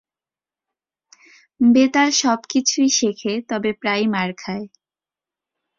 বেতাল সবকিছুই শেখে তবে প্রায়ই মার খায়।